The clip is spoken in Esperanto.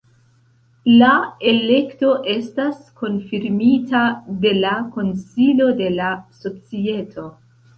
La elekto estas konfirmita de la Konsilo de la Societo.